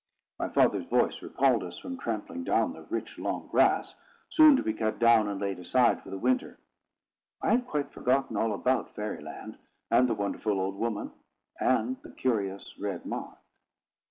My father's voice recalled us from trampling down the rich long grass, soon to be cut down and laid aside for the winter. I had quite forgotten all about Fairy Land, and the wonderful old woman, and the curious red mark.